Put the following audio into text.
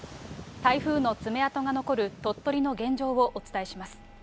台風の爪痕が残る鳥取の現状をお伝えします。